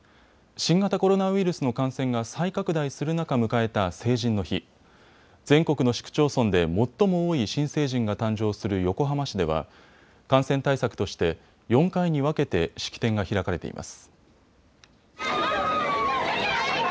新型コロナウイルスの感染が再拡大する中、迎えた成人の日全国の市区町村で最も多い新成人が誕生する横浜市では感染対策として４回に分けて式典が開かれています。